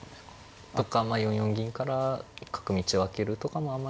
とかまあ４四銀から角道を開けるとかもあまり。